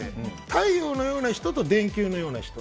太陽のような人と電球のような人。